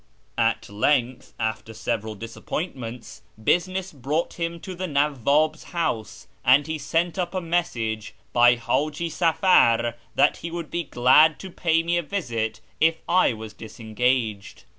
At length, after several disappointments, business brought him to the Nawwab's house, and he sent up a message by H;iji Safar that he would be glad to pay me a visit if I was disengaged.